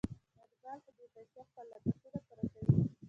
پانګوال په دې پیسو خپل لګښتونه پوره کوي